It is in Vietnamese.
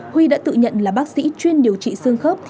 huy đã tự nhận là bác sĩ chuyên điều trị xương khớp